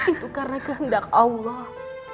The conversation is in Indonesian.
itu karena kehendak allah